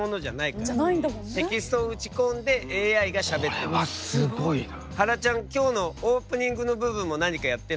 テキストを打ち込んでＡＩがしゃべってる。